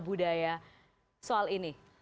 budaya soal ini